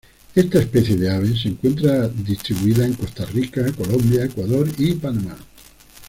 Esta especie de ave se encuentra distribuida en Costa Rica, Colombia, Ecuador y Panamá.